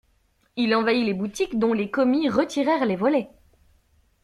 Il envahit les boutiques dont les commis retirèrent les volets.